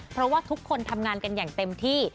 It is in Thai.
เพราะว่าทุกคนทำงานกันอย่างเต็มที่